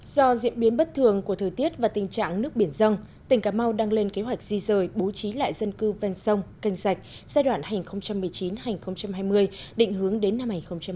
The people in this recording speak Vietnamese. do diễn biến bất thường của thời tiết và tình trạng nước biển dân tỉnh cà mau đang lên kế hoạch di rời bố trí lại dân cư ven sông canh sạch giai đoạn hành một mươi chín hai nghìn hai mươi định hướng đến năm hai nghìn ba mươi